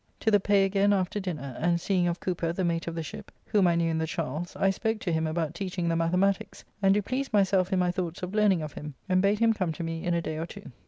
To the Pay again after dinner, and seeing of Cooper, the mate of the ship, whom I knew in the Charles, I spoke to him about teaching the mathematiques, and do please myself in my thoughts of learning of him, and bade him come to me in a day or two.